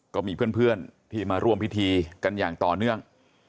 ก็มีเพื่อนที่มาร่วมพิธีกันอย่างต่อเนื่อง